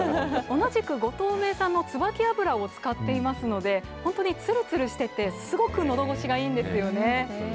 同じく五島名産の椿油を使ってますので、本当につるつるしてて、すごくのどごしがいいんですよね。